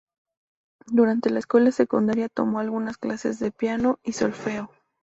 Durante la escuela secundaria, tomó algunas clases de piano y solfeo.